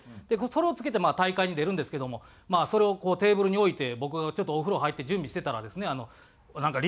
それを着けて大会に出るんですけどもそれをこうテーブルに置いて僕がちょっとお風呂入って準備してたらですねなんか